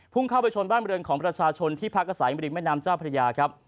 เข้าไปชนบ้านบริเวณของประชาชนที่พักอาศัยบริมแม่น้ำเจ้าพระยาครับ